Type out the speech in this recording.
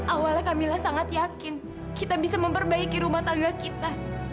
awalnya kamila sangat yakin kita bisa memperbaiki rumah tangga kita